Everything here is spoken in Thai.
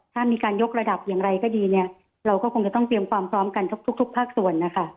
ถ้ามีการยกระดับอย่างไรก็ดีเนี่ยเราก็คงจะต้องเตรียมความพร้อมกันทุกภาคส่วนนะคะ